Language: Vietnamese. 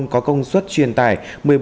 có công suất truyền tải